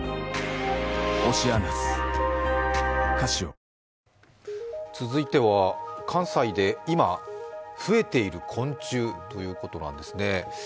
「東芝」続いては関西で今、増えている昆虫ということなんですね。